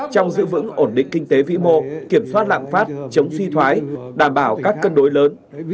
trong giữ vững ổn định kinh tế vĩ mô kiểm soát lạm phát chống suy thoái đảm bảo các cân đối lớn